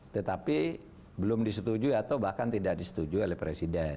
tetapi belum disetujui atau bahkan tidak disetujui oleh presiden